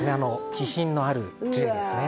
気品のあるジュエリーですね。